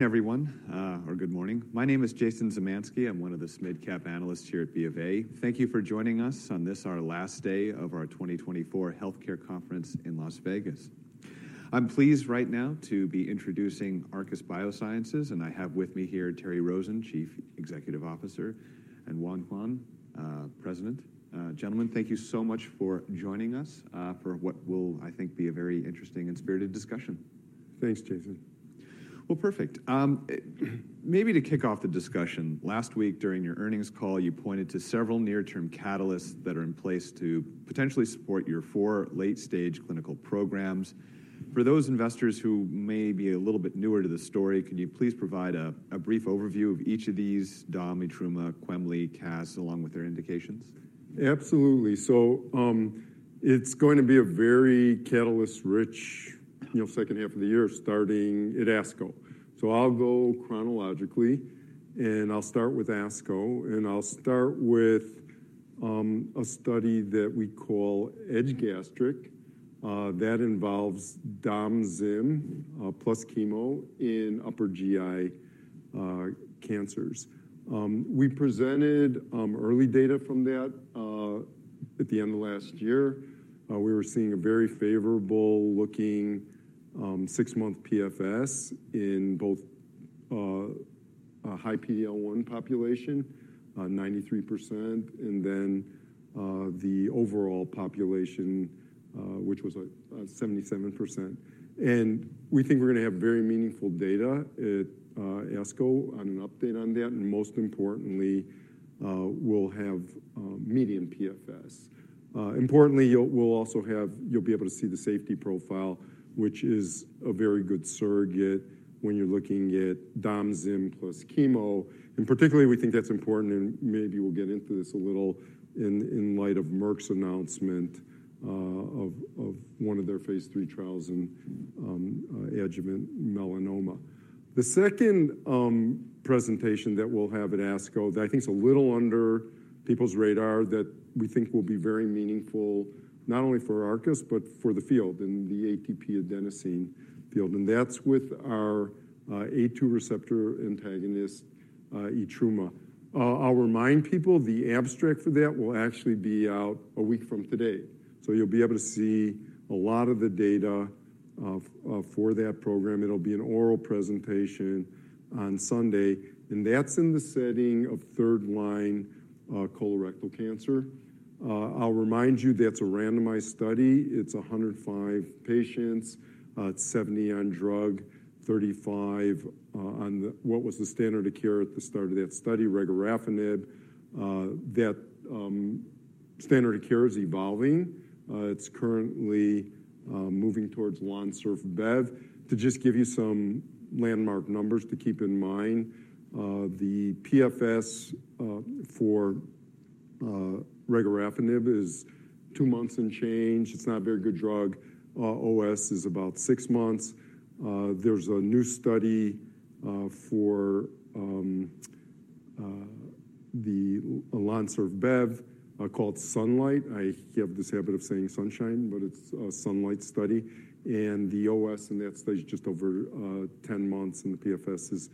Good morning, everyone. My name is Jason Zemansky. I'm one of the mid-cap analysts here at BofA. Thank you for joining us on this, our last day of our 2024 Healthcare Conference in Las Vegas. I'm pleased right now to be introducing Arcus Biosciences, and I have with me here, Terry Rosen, Chief Executive Officer, and Juan Jaen, President. Gentlemen, thank you so much for joining us, for what will, I think, be a very interesting and spirited discussion. Thanks, Jason. Well, perfect. Maybe to kick off the discussion, last week, during your earnings call, you pointed to several near-term catalysts that are in place to potentially support your four late-stage clinical programs. For those investors who may be a little bit newer to the story, can you please provide a brief overview of each of these, Dom, Etruma, Quemli, Cas, along with their indications? Absolutely. So, it's going to be a very catalyst-rich, you know, second half of the year, starting at ASCO. So I'll go chronologically, and I'll start with ASCO, and I'll start with a study that we call EDGE-Gastric. That involves Dom/Zim plus chemo in upper GI cancers. We presented early data from that at the end of last year. We were seeing a very favorable-looking six-month PFS in both a high PD-L1 population 93%, and then the overall population, which was, like, 77%. And we think we're gonna have very meaningful data at ASCO on an update on that, and most importantly, we'll have median PFS. Importantly, you'll be able to see the safety profile, which is a very good surrogate when you're looking at Dom/Zim plus chemo. And particularly, we think that's important, and maybe we'll get into this a little in light of Merck's announcement of one of their phase III trials in adjuvant melanoma. The second presentation that we'll have at ASCO, that I think is a little under people's radar, that we think will be very meaningful, not only for Arcus but for the field, in the ATP adenosine field, and that's with our A2 receptor antagonist, etrumadenant. I'll remind people, the abstract for that will actually be out a week from today, so you'll be able to see a lot of the data for that program. It'll be an oral presentation on Sunday, and that's in the setting of third-line colorectal cancer. I'll remind you, that's a randomized study. It's 105 patients, 70 on drug, 35 on the... What was the standard of care at the start of that study? Regorafenib. That standard of care is evolving. It's currently moving towards LONSURF Bev. To just give you some landmark numbers to keep in mind, the PFS for regorafenib is 2 months and change. It's not a very good drug. OS is about 6 months. There's a new study for the LONSURF Bev called Sunlight. I have this habit of saying Sunshine, but it's a Sunlight study. The OS in that study is just over 10 months, and the PFS is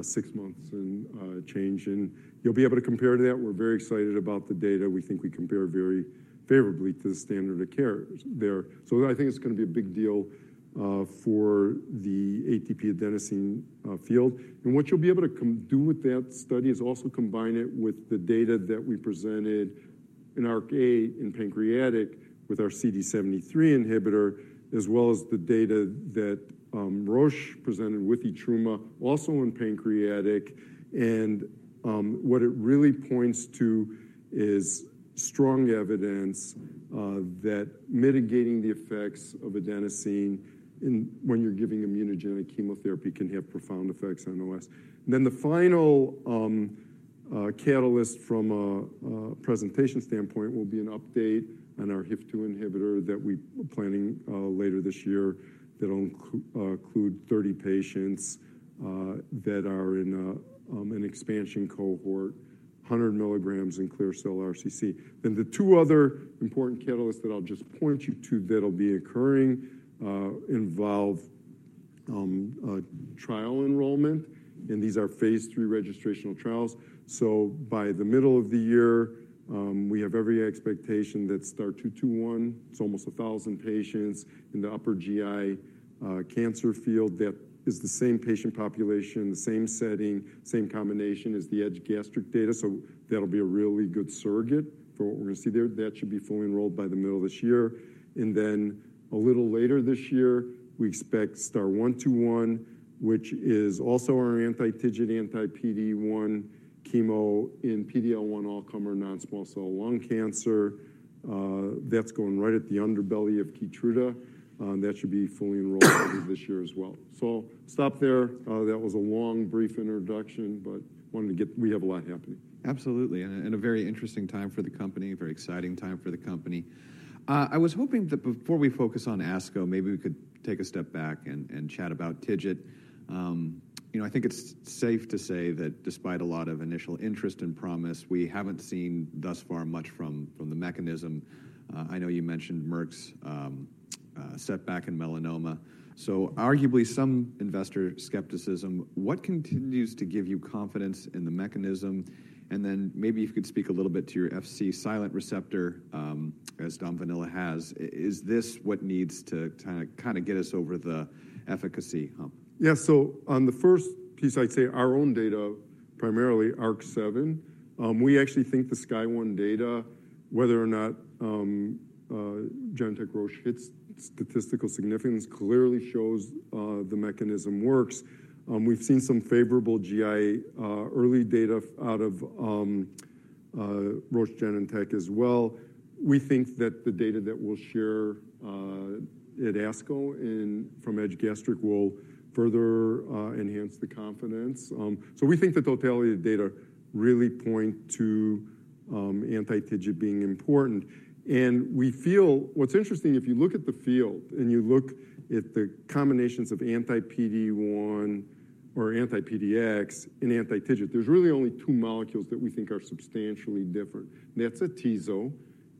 6 months and change, and you'll be able to compare to that. We're very excited about the data. We think we compare very favorably to the standard of care there. So I think it's gonna be a big deal for the ATP adenosine field. And what you'll be able to combine with that study is also combine it with the data that we presented in ARC-8, in pancreatic, with our CD73 inhibitor, as well as the data that Roche presented with Itruma, also in pancreatic. And what it really points to is strong evidence that mitigating the effects of adenosine when you're giving immunogenic chemotherapy can have profound effects on the OS. Then the final catalyst from a presentation standpoint will be an update on our HIF-2 inhibitor that we're planning later this year, that'll include 30 patients that are in an expansion cohort, 100 milligrams in clear cell RCC. Then the two other important catalysts that I'll just point you to, that'll be occurring, involve a trial enrollment, and these are phase III registrational trials. So by the middle of the year, we have every expectation that STAR-221, it's almost 1,000 patients in the upper GI cancer field, that is the same patient population, the same setting, same combination as the EDGE-Gastric data. So that'll be a really good surrogate for what we're gonna see there. That should be fully enrolled by the middle of this year. And then a little later this year, we expect STAR-121, which is also our anti-TIGIT, anti-PD-1 chemo in PD-L1 all-comer non-small cell lung cancer. That's going right at the underbelly of Keytruda. That should be fully enrolled this year as well. So I'll stop there. That was a long, brief introduction, but wanted to get... We have a lot happening. Absolutely, and a very interesting time for the company, a very exciting time for the company. I was hoping that before we focus on ASCO, maybe we could take a step back and chat about TIGIT. You know, I think it's safe to say that despite a lot of initial interest and promise, we haven't seen thus far much from the mechanism. I know you mentioned Merck's setback in melanoma. So arguably, some investor skepticism. What continues to give you confidence in the mechanism? And then maybe you could speak a little bit to your Fc-silent receptor as Domvanalimab. Is this what needs to kind of get us over the efficacy hump? Yeah, so on the first piece, I'd say our own data, primarily ARC-7. We actually think the Sky One data, whether or not Genentech Roche hits statistical significance, clearly shows the mechanism works. We've seen some favorable GI early data out of Roche Genentech as well. We think that the data that we'll share at ASCO and from EDGE-Gastric will further enhance the confidence. So we think the totality of data really point to anti-TIGIT being important. And we feel... What's interesting, if you look at the field, and you look at the combinations of anti-PD-1 or anti-PD-L1 and anti-TIGIT, there's really only two molecules that we think are substantially different. And that's Atezo,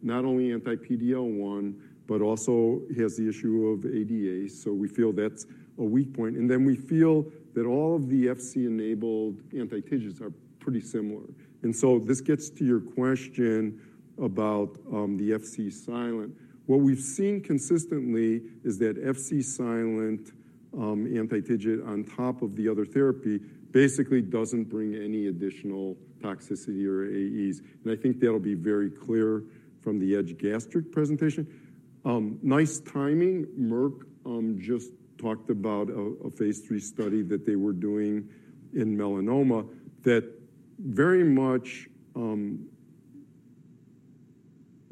not only anti-PD-L1, but also he has the issue of ADA, so we feel that's a weak point. Then we feel that all of the Fc-enabled anti-TIGITs are pretty similar. So this gets to your question about the Fc-silent. What we've seen consistently is that Fc-silent anti-TIGIT on top of the other therapy basically doesn't bring any additional toxicity or AEs. And I think that'll be very clear from the EDGE-Gastric presentation. Nice timing, Merck just talked about a phase III study that they were doing in melanoma that very much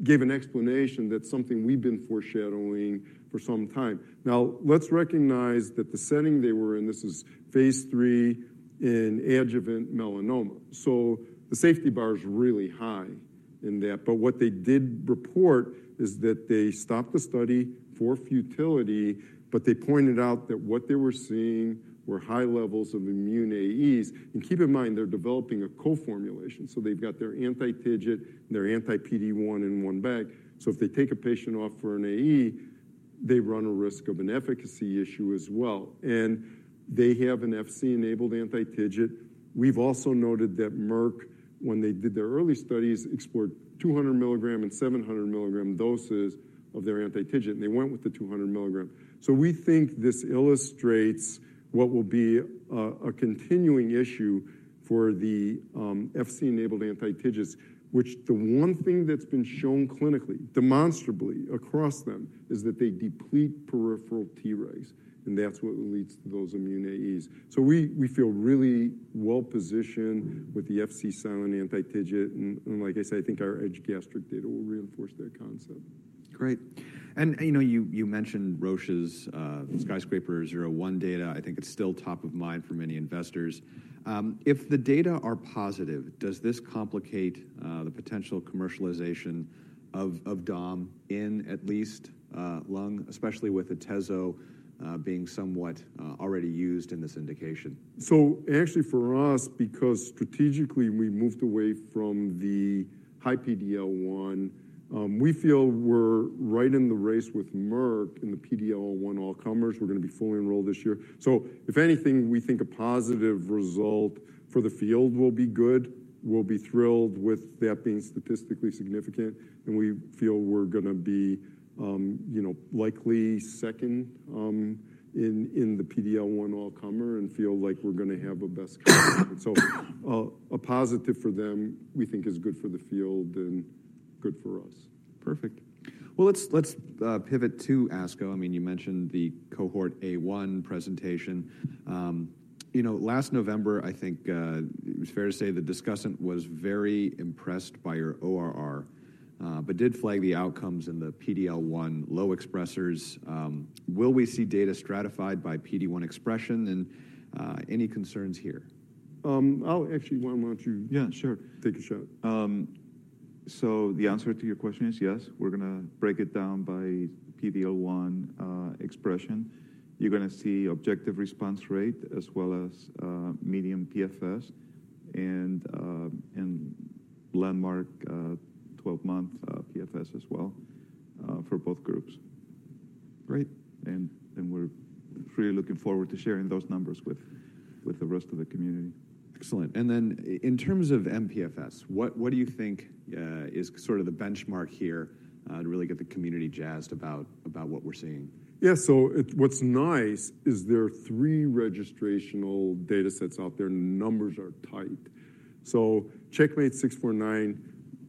gave an explanation that's something we've been foreshadowing for some time. Now, let's recognize that the setting they were in, this is phase III in adjuvant melanoma, so the safety bar is really high in that. But what they did report is that they stopped the study for futility, but they pointed out that what they were seeing were high levels of immune AEs. Keep in mind, they're developing a co-formulation, so they've got their anti-TIGIT and their anti-PD-1 in one bag. So if they take a patient off for an AE, they run a risk of an efficacy issue as well. And they have an Fc-enabled anti-TIGIT. We've also noted that Merck, when they did their early studies, explored 200 milligram and 700 milligram doses of their anti-TIGIT, and they went with the 200 milligram. So we think this illustrates what will be a continuing issue for the Fc-enabled anti-TIGITs, which the one thing that's been shown clinically, demonstrably across them, is that they deplete peripheral Tregs, and that's what leads to those immune AEs. So we feel really well-positioned- Mm-hmm. with the Fc-silent anti-TIGIT, and like I said, I think our EDGE-Gastric data will reinforce that concept. Great. And you know, you mentioned Roche's, Mm-hmm... Skyscraper-01 data. I think it's still top of mind for many investors. If the data are positive, does this complicate the potential commercialization of Dom in at least lung, especially with Atezo being somewhat already used in this indication? So actually, for us, because strategically we moved away from the high PD-L1, we feel we're right in the race with Merck in the PD-L1 all-comers. We're gonna be fully enrolled this year. So if anything, we think a positive result for the field will be good. We'll be thrilled with that being statistically significant, and we feel we're gonna be, you know, likely second, in the PD-L1 all-comer and feel like we're gonna have a best company. So a positive for them, we think is good for the field and good for us. Perfect. Well, let's pivot to ASCO. I mean, you mentioned the Cohort A one presentation. You know, last November, I think, it was fair to say the discussant was very impressed by your ORR, but did flag the outcomes in the PD-L1 low expressers. Will we see data stratified by PD-1 expression, and any concerns here? I'll actually... Why don't you- Yeah, sure. Take a shot. So the answer to your question is yes, we're gonna break it down by PD-L1 expression. You're gonna see objective response rate as well as median PFS and landmark 12-month PFS as well for both groups. Great. And we're really looking forward to sharing those numbers with the rest of the community. Excellent. And then in terms of mPFS, what do you think is sort of the benchmark here to really get the community jazzed about what we're seeing? Yeah, so what's nice is there are three registrational datasets out there, and the numbers are tight. So CheckMate 649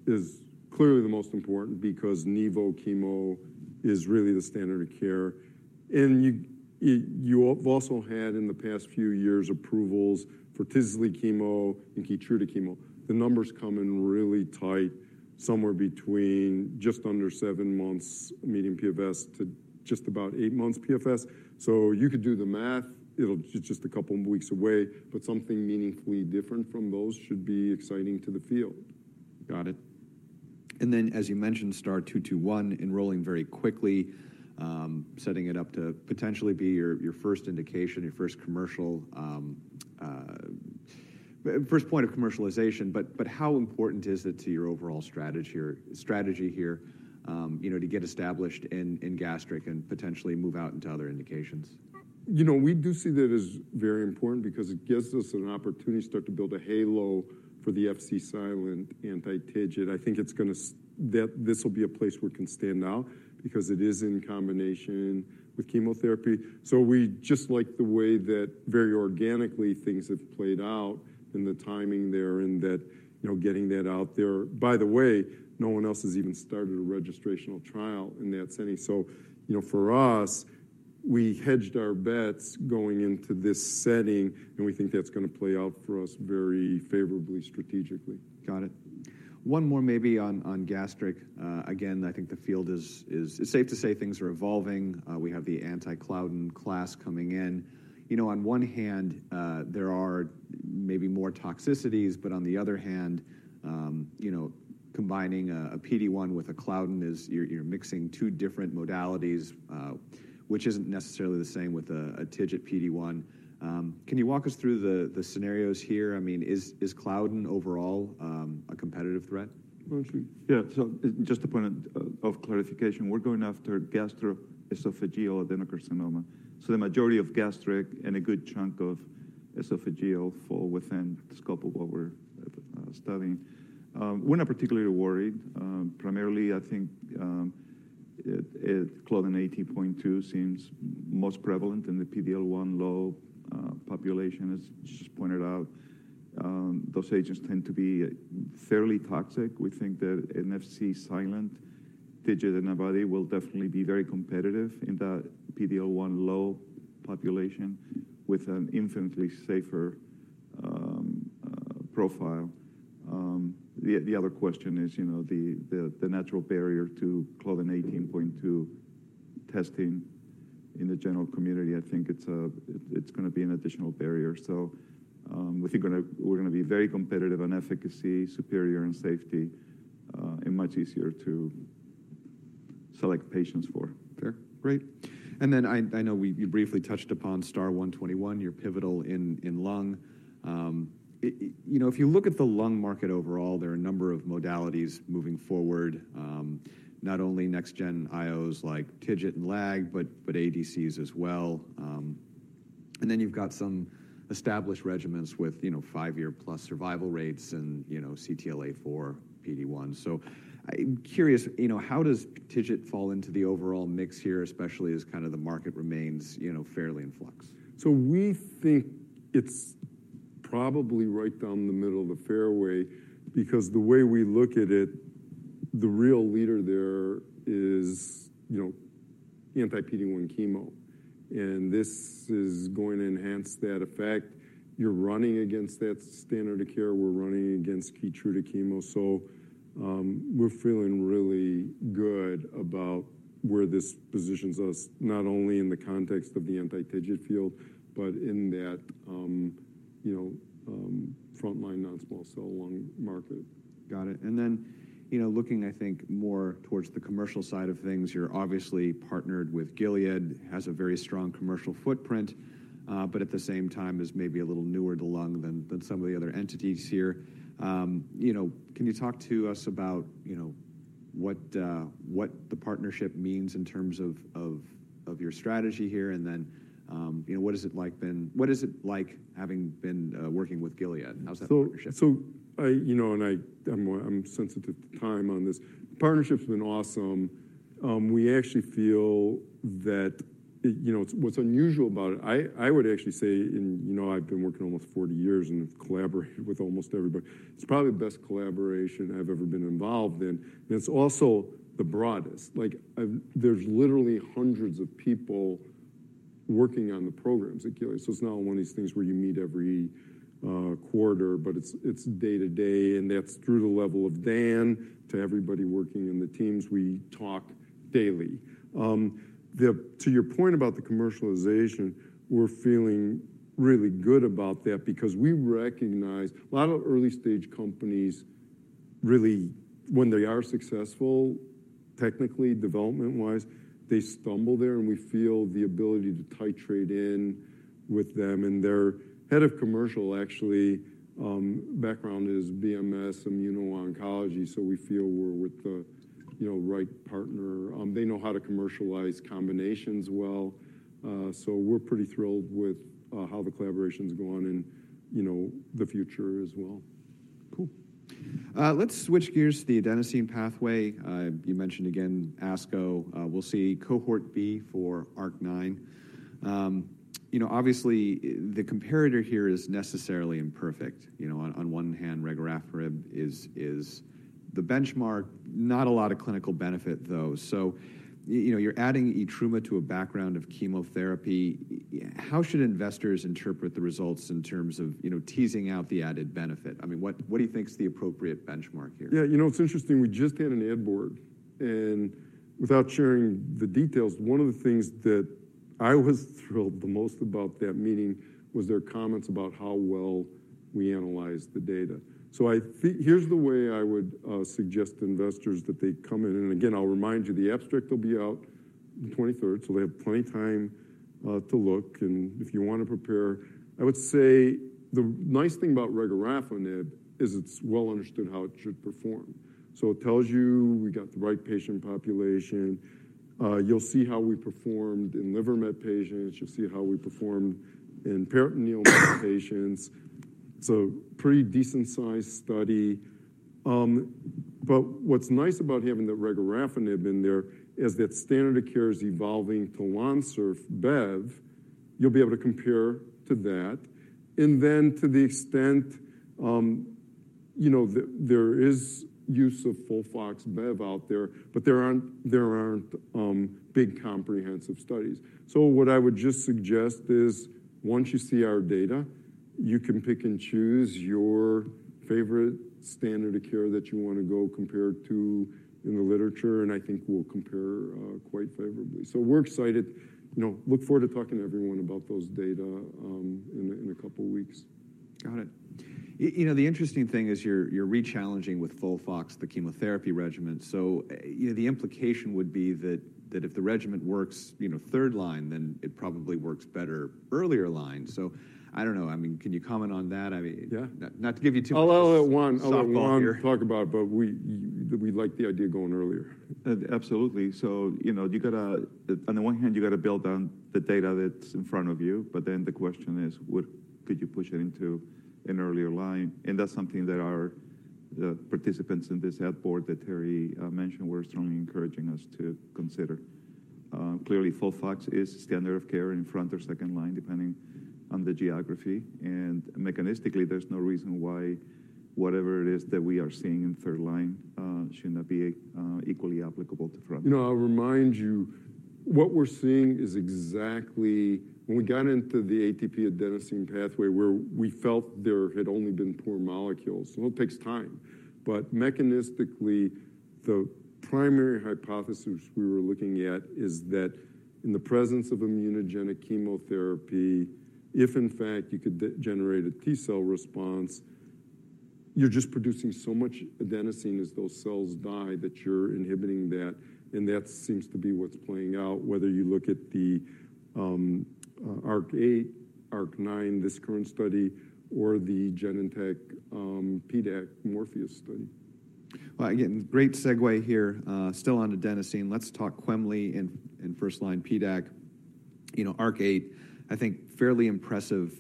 is clearly the most important because Nivo chemo is really the standard of care. And you also had, in the past few years, approvals for Tisley chemo and Keytruda chemo. The numbers come in really tight, somewhere between just under 7 months median PFS to just about 8 months PFS. So you could do the math. It's just a couple of weeks away, but something meaningfully different from those should be exciting to the field. Got it. And then, as you mentioned, STAR-221, enrolling very quickly, setting it up to potentially be your first indication, your first commercial, first point of commercialization, but how important is it to your overall strategy here, you know, to get established in gastric and potentially move out into other indications? You know, we do see that as very important because it gives us an opportunity to start to build a halo for the Fc-silent anti-TIGIT. I think it's gonna that this will be a place where it can stand out because it is in combination with chemotherapy. So we just like the way that very organically things have played out and the timing there, and that, you know, getting that out there. By the way, no one else has even started a registrational trial in that setting. So, you know, for us, we hedged our bets going into this setting, and we think that's gonna play out for us very favorably strategically. Got it. One more maybe on gastric. Again, I think the field is. It's safe to say things are evolving. We have the anti-claudin class coming in. You know, on one hand, there are maybe more toxicities, but on the other hand, you know, combining a PD-1 with a claudin is you're mixing two different modalities, which isn't necessarily the same with a TIGIT PD-1. Can you walk us through the scenarios here? I mean, is claudin overall a competitive threat? Well, sure. Yeah. So just a point of clarification, we're going after gastroesophageal adenocarcinoma. So the majority of gastric and a good chunk of esophageal fall within the scope of what we're studying. We're not particularly worried. Primarily, I think, claudin 18.2 seems most prevalent in the PD-L1 low population, as just pointed out. Those agents tend to be fairly toxic. We think that an Fc-silent TIGIT antibody will definitely be very competitive in that PD-L1 low population with an infinitely safer profile. The natural barrier to claudin 18.2 testing in the general community. I think it's gonna be an additional barrier. We think we're gonna be very competitive on efficacy, superior and safety, and much easier to select patients for. Fair. Great. And then I know you briefly touched upon STAR-121, you're pivotal in lung. You know, if you look at the lung market overall, there are a number of modalities moving forward, not only next gen IOs like TIGIT and LAG, but ADCs as well. And then you've got some established regimens with, you know, 5-year+ survival rates and, you know, CTLA-4, PD-1. So I'm curious, you know, how does TIGIT fall into the overall mix here, especially as kind of the market remains, you know, fairly in flux? So we think it's probably right down the middle of the fairway, because the way we look at it, the real leader there is, you know, anti-PD-1 chemo, and this is going to enhance that effect. You're running against that standard of care. We're running against Keytruda chemo, so we're feeling really good about where this positions us, not only in the context of the anti-TIGIT field, but in that, you know, front line non-small cell lung market. Got it. And then, you know, looking, I think, more towards the commercial side of things, you're obviously partnered with Gilead, has a very strong commercial footprint, but at the same time is maybe a little newer to lung than some of the other entities here. You know, can you talk to us about, you know, what the partnership means in terms of your strategy here? And then, you know, what is it like having been working with Gilead? How's that partnership? You know, I'm sensitive to time on this. Partnership's been awesome. We actually feel that, you know, what's unusual about it, I would actually say, and you know, I've been working almost 40 years and collaborated with almost everybody. It's probably the best collaboration I've ever been involved in, and it's also the broadest. Like, I've, there's literally hundreds of people working on the programs at Gilead, so it's not one of these things where you meet every quarter, but it's day-to-day, and that's through the level of Dan to everybody working in the teams. We talk daily. To your point about the commercialization, we're feeling really good about that because we recognize a lot of early-stage companies, really, when they are successful, technically, development-wise, they stumble there, and we feel the ability to titrate in with them. And their head of commercial, actually, background is BMS immuno-oncology, so we feel we're with the, you know, right partner. They know how to commercialize combinations well, so we're pretty thrilled with how the collaboration's going and, you know, the future as well. Cool. Let's switch gears to the adenosine pathway. You mentioned again, ASCO. We'll see Cohort B for ARC-9. You know, obviously, the comparator here is necessarily imperfect. You know, on one hand, regorafenib is the benchmark. Not a lot of clinical benefit, though. So you know, you're adding etrumadenant to a background of chemotherapy. How should investors interpret the results in terms of, you know, teasing out the added benefit? I mean, what do you think is the appropriate benchmark here? Yeah, you know, it's interesting, we just had an ad board, and without sharing the details, one of the things that I was thrilled the most about that meeting was their comments about how well we analyzed the data. So I think here's the way I would suggest to investors that they come in, and again, I'll remind you, the abstract will be out the 23rd, so they have plenty time to look and if you want to prepare. I would say the nice thing about regorafenib is it's well understood how it should perform. So it tells you we got the right patient population. You'll see how we performed in liver met patients. You'll see how we performed in peritoneal patients, so pretty decent-sized study. But what's nice about having the regorafenib in there is that standard of care is evolving to LONSURF Bev. You'll be able to compare to that, and then to the extent, you know, there is use of FOLFOX Bev out there, but there aren't big comprehensive studies. So what I would just suggest is, once you see our data, you can pick and choose your favorite standard of care that you want to go compare it to in the literature, and I think we'll compare quite favorably. So we're excited. You know, look forward to talking to everyone about those data in a couple weeks. Got it. You know, the interesting thing is you're re-challenging with FOLFOX, the chemotherapy regimen. So, you know, the implication would be that if the regimen works, you know, third line, then it probably works better earlier line. So I don't know. I mean, can you comment on that? I mean- Yeah. not to give you too much- I'll let Juan- Softball here. I'll let Juan talk about, but we, we like the idea of going earlier. Absolutely. So, you know, you got to... On the one hand, you got to build on the data that's in front of you, but then the question is, would-could you push it into an earlier line? And that's something that our, the participants in this ad board that Terry mentioned, were strongly encouraging us to consider. Clearly, FOLFOX is standard of care in front or second line, depending on the geography, and mechanistically, there's no reason why whatever it is that we are seeing in third line should not be equally applicable to front. You know, I'll remind you, what we're seeing is exactly... When we got into the ATP adenosine pathway, where we felt there had only been poor molecules. Well, it takes time, but mechanistically, the primary hypothesis we were looking at is that in the presence of immunogenic chemotherapy, if in fact you could generate a T-cell response, you're just producing so much adenosine as those cells die, that you're inhibiting that, and that seems to be what's playing out, whether you look at the ARC-8, ARC-9, this current study, or the Genentech PDAC Morpheus study. Well, again, great segue here. Still on adenosine. Let's talk Quemli in first-line PDAC. You know, ARC-8, I think fairly impressive,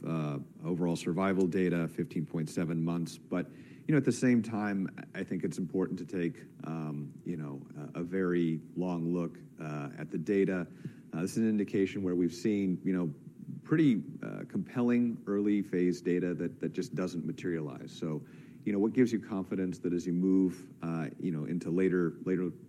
overall survival data, 15.7 months. But, you know, at the same time, I think it's important to take, you know, a very long look at the data. This is an indication where we've seen, you know, pretty compelling early phase data that just doesn't materialize. So, you know, what gives you confidence that as you move, you know, into later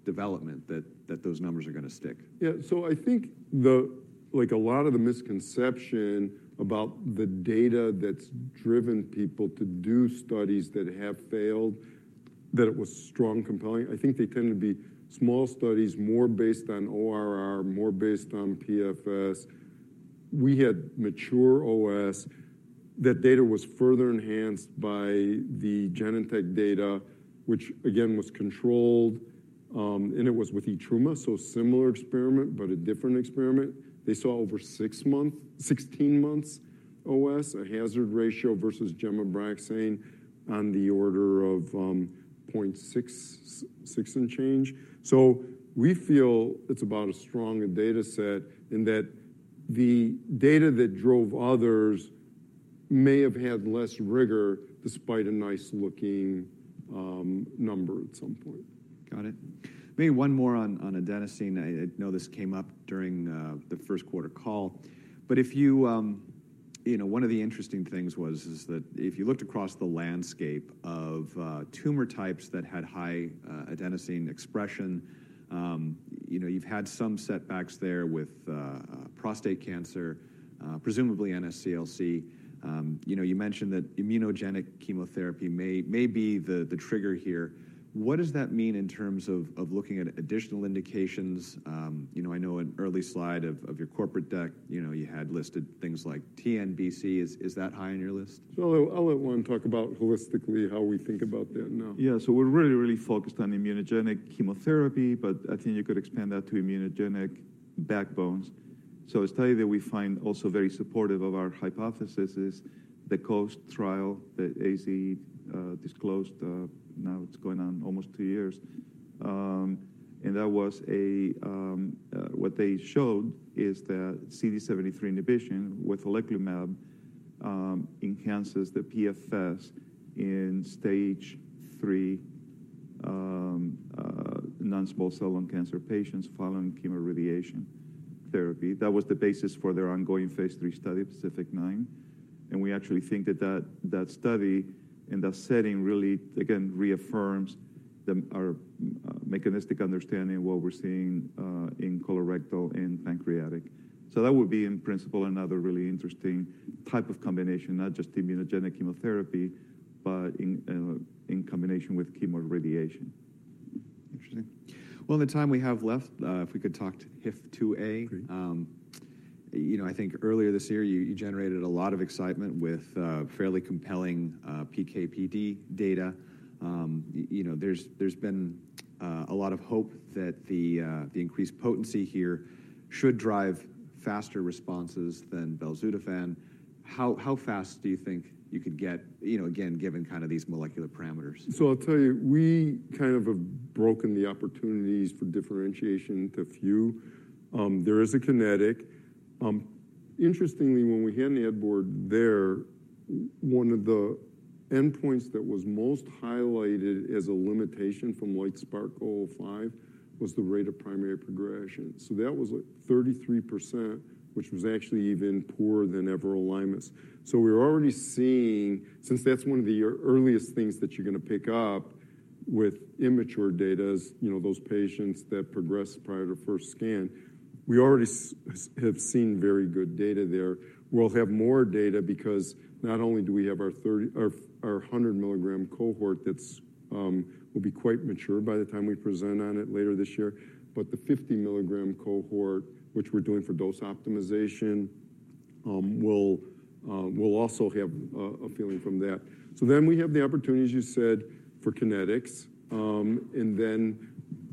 development, those numbers are going to stick? Yeah. So I think the, like, a lot of the misconception about the data that's driven people to do studies that have failed, that it was strong, compelling. I think they tend to be small studies, more based on ORR, more based on PFS. We had mature OS. That data was further enhanced by the Genentech data, which again, was controlled, and it was with etrumadenant, so a similar experiment, but a different experiment. They saw over sixteen months OS, a hazard ratio versus gemcitabine on the order of 0.66 and change. So we feel it's about as strong a data set, and that the data that drove others may have had less rigor, despite a nice-looking number at some point. Got it. Maybe one more on adenosine. I know this came up during the first quarter call. But if you, you know, one of the interesting things was, is that if you looked across the landscape of tumor types that had high adenosine expression, you know, you've had some setbacks there with prostate cancer, presumably NSCLC. You know, you mentioned that immunogenic chemotherapy may be the trigger here. What does that mean in terms of looking at additional indications? You know, I know an early slide of your corporate deck, you know, you had listed things like TNBC. Is that high on your list? I'll, I'll let Juan talk about holistically how we think about that now. Yeah. So we're really, really focused on immunogenic chemotherapy, but I think you could expand that to immunogenic backbones. So a study that we find also very supportive of our hypothesis is the COAST trial that AZ disclosed. Now it's going on almost two years. And that was what they showed is that CD73 inhibition with oleclumab enhances the PFS in Stage III non-small cell lung cancer patients following chemoradiation therapy. That was the basis for their ongoing phase III study, PACIFIC-9. And we actually think that, that, that study and that setting really, again, reaffirms the our mechanistic understanding of what we're seeing in colorectal and pancreatic. So that would be, in principle, another really interesting type of combination, not just immunogenic chemotherapy, but in, in combination with chemoradiation. Mm-hmm. Interesting. Well, the time we have left, if we could talk to HIF-2a. Great. ... You know, I think earlier this year, you, you generated a lot of excitement with fairly compelling PK/PD data. You know, there's, there's been a lot of hope that the, the increased potency here should drive faster responses than Belzutifan. How, how fast do you think you could get, you know, again, given kind of these molecular parameters? So I'll tell you, we kind of have broken the opportunities for differentiation to few. There is a kinetic. Interestingly, when we had an ad board there, one of the endpoints that was most highlighted as a limitation from LITESPARK-005 was the rate of primary progression. So that was like 33%, which was actually even poorer than everolimus. So we're already seeing, since that's one of the earliest things that you're gonna pick up with immature data, you know, those patients that progress prior to first scan, we already have seen very good data there. We'll have more data because not only do we have our 100-milligram cohort, that's will be quite mature by the time we present on it later this year, but the 50-milligram cohort, which we're doing for dose optimization, we'll also have a feeling from that. So then we have the opportunities, you said, for kinetics. And then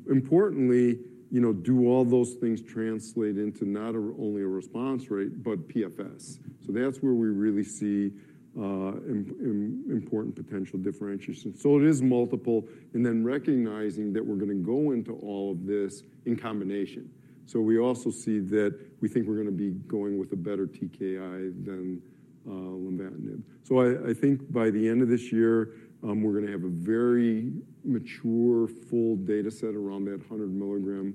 importantly, you know, do all those things translate into not only a response rate, but PFS? So that's where we really see important potential differentiation. So it is multiple, and then recognizing that we're gonna go into all of this in combination. So we also see that we think we're gonna be going with a better TKI than lenvatinib. So I think by the end of this year, we're gonna have a very mature, full data set around that 100-milligram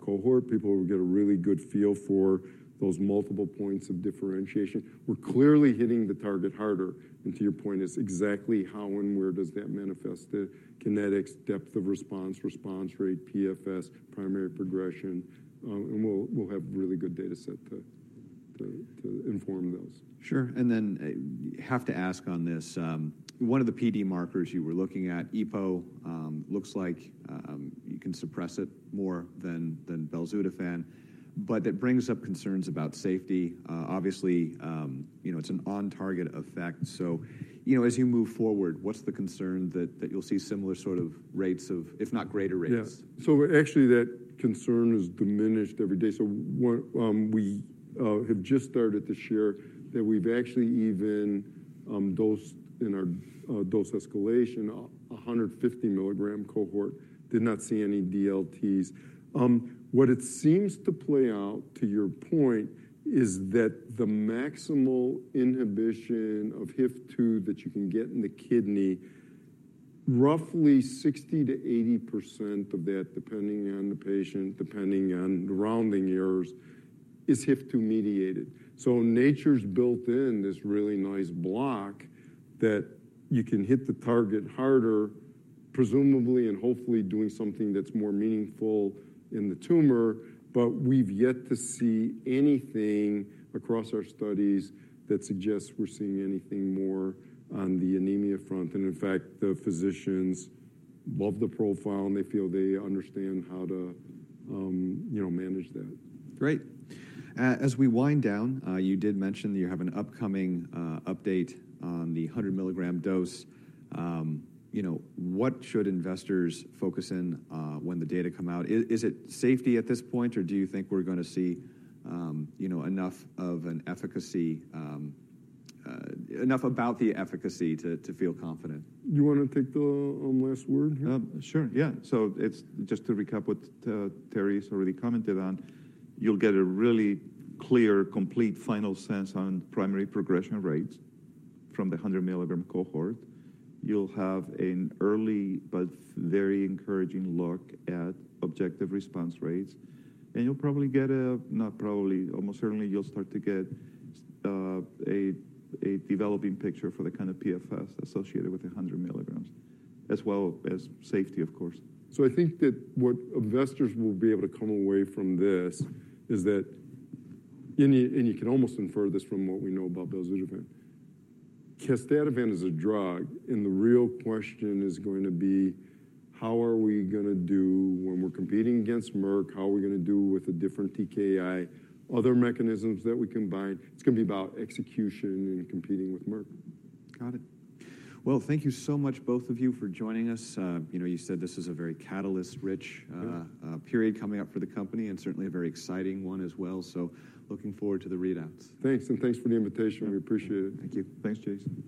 cohort. People will get a really good feel for those multiple points of differentiation. We're clearly hitting the target harder, and to your point, is exactly how and where does that manifest the kinetics, depth of response, response rate, PFS, primary progression, and we'll have really good data set to inform those. Sure. And then, have to ask on this. One of the PD markers you were looking at, EPO, looks like you can suppress it more than Belzutifan, but that brings up concerns about safety. Obviously, you know, it's an on-target effect. So, you know, as you move forward, what's the concern that you'll see similar sort of rates of, if not greater rates? Yeah. So actually, that concern is diminished every day. So what we have just started to share, that we've actually even dosed in our dose escalation, 150 milligram cohort, did not see any DLTs. What it seems to play out, to your point, is that the maximal inhibition of HIF-2 that you can get in the kidney, roughly 60%-80% of that, depending on the patient, depending on the rounding errors, is HIF-2 mediated. So nature's built in this really nice block that you can hit the target harder, presumably and hopefully doing something that's more meaningful in the tumor, but we've yet to see anything across our studies that suggests we're seeing anything more on the anemia front. And in fact, the physicians love the profile, and they feel they understand how to, you know, manage that. Great. As we wind down, you did mention that you have an upcoming update on the 100-milligram dose. You know, what should investors focus in when the data come out? Is it safety at this point, or do you think we're gonna see you know, enough of an efficacy enough about the efficacy to feel confident? You wanna take the last word here? Sure, yeah. So it's just to recap what Terry's already commented on, you'll get a really clear, complete final sense on primary progression rates from the 100-milligram cohort. You'll have an early but very encouraging look at objective response rates, and you'll probably get a... Not probably, almost certainly, you'll start to get a developing picture for the kind of PFS associated with 100 milligrams, as well as safety, of course. So I think that what investors will be able to come away from this is that, and you, and you can almost infer this from what we know about belzutifan. Casdatifan is a drug, and the real question is going to be: How are we gonna do when we're competing against Merck? How are we gonna do with a different TKI, other mechanisms that we combine? It's gonna be about execution and competing with Merck. Got it. Well, thank you so much, both of you, for joining us. You know, you said this is a very catalyst-rich- Yeah... period coming up for the company and certainly a very exciting one as well. So looking forward to the readouts. Thanks, and thanks for the invitation. We appreciate it. Thank you. Thanks, Jason.